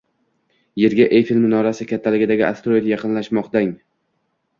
Yerga Eyfel minorasi kattaligidagi asteroid yaqinlashmoqdang